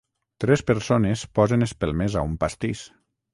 Tres persones posen espelmes a un pastís.